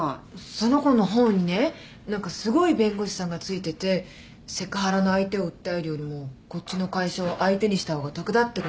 その子の方にね何かすごい弁護士さんが付いててセクハラの相手を訴えるよりもこっちの会社を相手にした方が得だってことらしい。